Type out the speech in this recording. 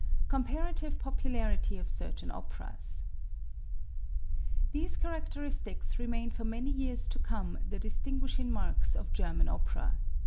Comparative Popularity of Certain Operas. These characteristics remained for many years to come the distinguishing marks of German opera.